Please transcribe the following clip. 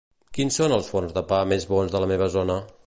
Quins són els forns de pa més bons de la meva zona?